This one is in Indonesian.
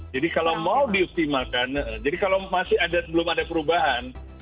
jadi kalau mau dioptimalkan jadi kalau masih belum ada perubahan